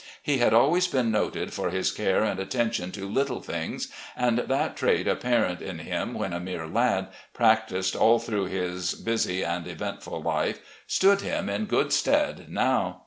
He had always been noted for his care and attention to little things, and that trait, apparent in him when a mere lad, practised all through his busy and eventful life, stood him in good stead now.